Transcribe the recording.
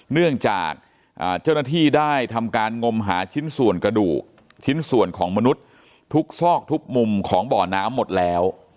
เนื่องจากเจ้าหน้าที่ได้ทำการงมหาชิ้นส่วนกระดูกชิ้นส่วนของมนุษย์ทุกซอกทุกมุมของบ่อน้ำหมดแล้ว